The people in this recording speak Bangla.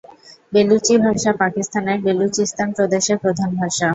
বেলুচি ভাষা পাকিস্তানের বেলুচিস্তান প্রদেশের প্রধান ভাষা।